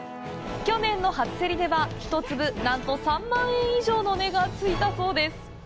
去年の初競りでは、１粒、なんと３万円以上の値がついたそうです！